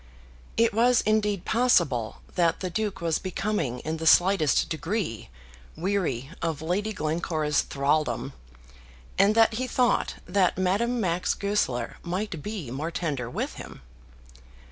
It was indeed possible that the Duke was becoming in the slightest degree weary of Lady Glencora's thraldom, and that he thought that Madame Max Goesler might be more tender with him.